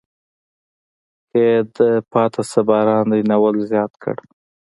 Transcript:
کې یې د پاتې شه باران دی ناول زیات کړ.